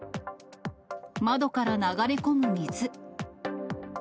窓から流れ込む水。